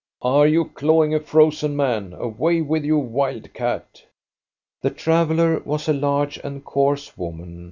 " Are you clawing a frozen man? Away with you, wild cat !" The traveller was a large and coarse woman.